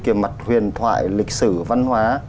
kiểu mặt huyền thoại lịch sử văn hóa